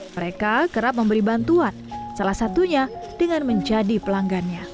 mereka kerap memberi bantuan salah satunya dengan menjadi pelanggannya